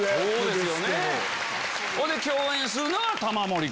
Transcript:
ほんで共演するのは玉森君。